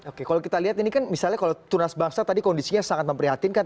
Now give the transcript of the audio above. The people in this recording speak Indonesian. oke kalau kita lihat ini kan misalnya kalau tunas bangsa tadi kondisinya sangat memprihatinkan